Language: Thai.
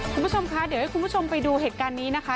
คุณผู้ชมคะเดี๋ยวให้คุณผู้ชมไปดูเหตุการณ์นี้นะคะ